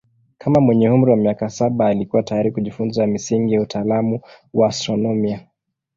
Kama mwenye umri wa miaka saba alikuwa tayari kujifunza misingi ya utaalamu wa astronomia.